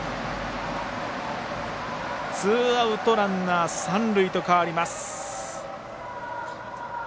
ツーアウト、ランナー、三塁と変わります。